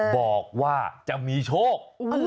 บอกว่าจะมีโชค